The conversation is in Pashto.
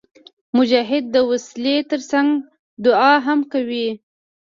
مجاهد د وسلې تر څنګ دعا هم کوي.